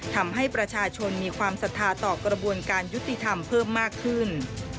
ทำให้ประชาชนมีความศรัทธาต่อกระบวนการยุติธรรมเพิ่มมากขึ้น